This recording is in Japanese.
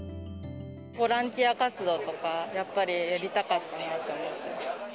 ボランティア活動とか、やっぱりやりたかったなと思います。